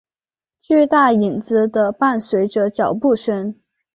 巨大影子的伴随着脚步声。